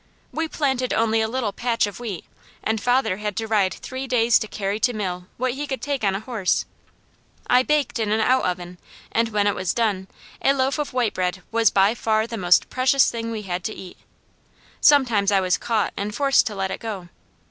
We planted only a little patch of wheat and father had to ride three days to carry to mill what he could take on a horse. I baked in an outoven and when it was done, a loaf of white bread was by far the most precious thing we had to eat. Sometimes I was caught, and forced to let it go.